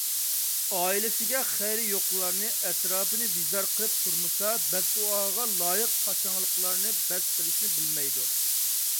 ئائىلىسىگە خەيرى يوقلارنى، ئەتراپنى بىزار قىلىپ تۇرمىسا بەددۇئاغا لايىق قاشاڭلىقلارنى بەس قىلىشنى بىلمەيدۇ.